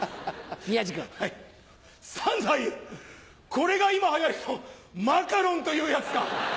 これが今はやりのマカロンというやつか。